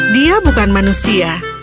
dia bukan manusia